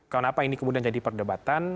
kenapa ini kemudian jadi perdebatan